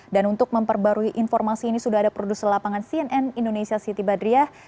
dan untuk memperbarui informasi ini sudah ada produser lapangan cnn indonesia city badriah